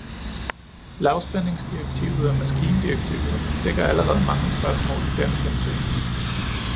Lavspændingsdirektivet og maskindirektivet dækker allerede mange spørgsmål i denne henseende.